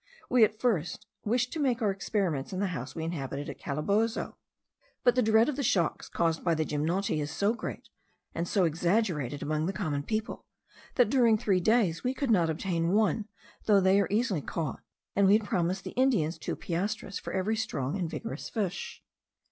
We at first wished to make our experiments in the house we inhabited at Calabozo; but the dread of the shocks caused by the gymnoti is so great, and so exaggerated among the common people, that during three days we could not obtain one, though they are easily caught, and we had promised the Indians two piastres for every strong and vigorous fish.